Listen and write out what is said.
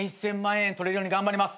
円取れるように頑張ります。